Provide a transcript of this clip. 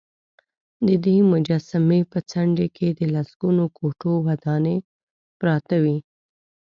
ددې مجسمې په څنډې کې د لسګونو کوټو ودانې پراته وې.